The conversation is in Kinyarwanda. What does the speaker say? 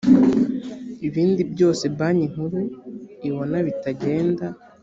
ibindi byose banki nkuru ibona bitagenda